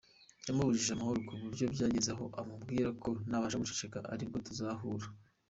Yamubujije amahoro ku buryo byageze aho amubwira ko nabasha guceceka, ari bwo tuzahura”.